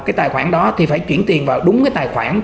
cái tài khoản đó thì phải chuyển tiền vào đúng cái tài khoản